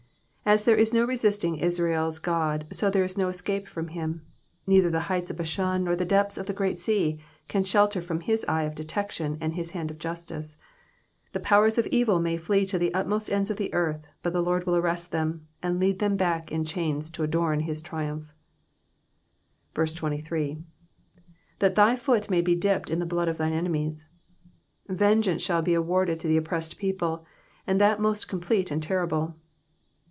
As there is no resisting Israel's God, so is there no escape from him, neither the heights of Bashan nor the depths of the great sea can shelter from his eye of detection, and his hand of justice. ' The powers of evil may flee to the utmost ends of the earth, but the Lord will arrest them, and lead them back in chains to adorn his triumph. 23. ''^Tiiat thy foot may be dipped in the blood of thine enemies.'*^ Vengeance shall be awarded to the oppressed people, and that most complete and terrible.